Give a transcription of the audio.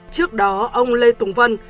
trước đó ông lê tùng vân